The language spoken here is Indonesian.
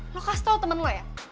lo kasih tau temen lo ya